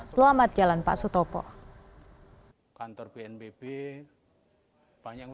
selamat jalan pak suto popurwo